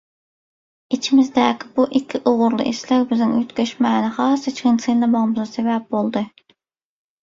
Içimizdäki bu iki ugurly isleg biziň üýtgeşmäni has içgin synlamagymyza sebäp boldy.